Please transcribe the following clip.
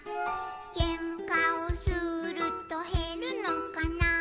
「けんかをするとへるのかな」